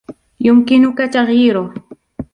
يمكنك تغييره